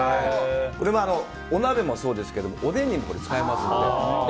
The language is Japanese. これはお鍋もそうですけどおでんにも使えますので。